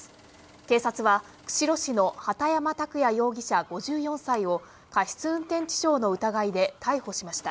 警察は釧路市の畑山卓也容疑者、５４歳を過失運転致傷の疑いで逮捕しました。